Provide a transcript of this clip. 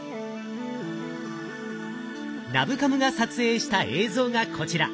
ナブカムが撮影した映像がこちら。